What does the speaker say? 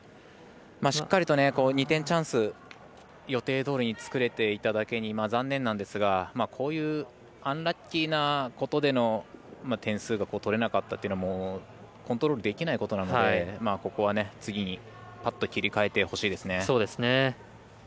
しっかりと２点チャンス予定どおりに作れていただけに残念なんですがこういうアンラッキーなことでの点数が取れなかったというのもコントロールできないことなのでここは、次に切り替えてほしいですね。